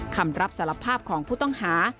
คำรับสารภาพของผู้ต้องหา